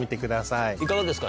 いかがですか？